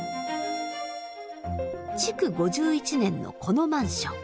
築５１年のこのマンション。